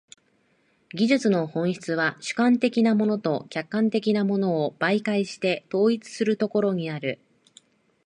技術の本質は主観的なものと客観的なものとを媒介して統一するところにある。